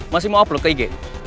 masih mau uploa ke ig